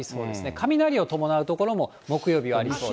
雷を伴う所も、木曜日はありそうです。